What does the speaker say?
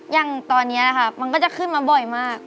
อย่างตอนนี้นะคะมันก็จะขึ้นมาบ่อยมาก